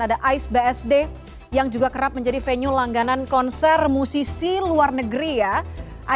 ada ice bsd yang juga kerap menjadi venue langganan konser musisi luar negeri ya